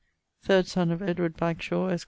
D., 3rd son of Edward Bagshawe, esq.